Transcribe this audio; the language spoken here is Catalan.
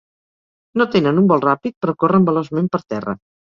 No tenen un vol ràpid però corren veloçment per terra.